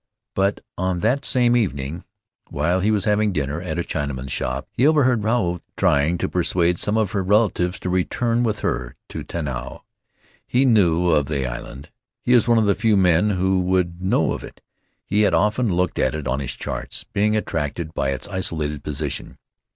But on that same evening, while he was having dinner at a Chinaman's shop in town, he overheard Ruau trying to persuade some of her relatives to return with her to Tanao. He knew of the island. He is one of the few men who would know of it. He had often looked at it on his charts, being attracted by its isolated position.